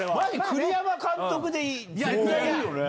栗山監督で絶対いいよね。